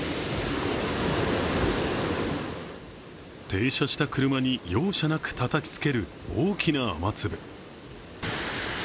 停車した車に容赦なくたたきつける大きな雨粒。